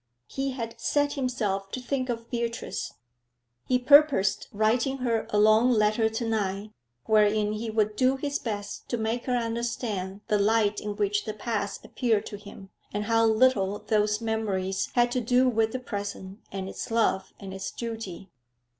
He had set himself to think of Beatrice. He purposed writing her a long letter to night, wherein he would do his best to make her understand the light in which the past appeared to him, and how little those memories had to do with the present and its love and its duty.